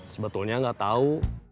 sebetulnya enggak tahu